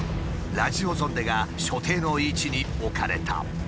ラジオゾンデが所定の位置に置かれた。